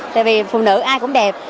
tại vì phụ nữ ai cũng đẹp